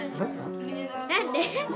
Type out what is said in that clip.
何で？